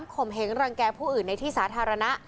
มเหงรังแก่ผู้อื่นในที่สาธารณะ